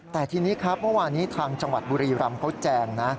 แต่ทีนี้ครับเมื่อวานี้ทางจังหวัดบุรีรำเขาแจงนะ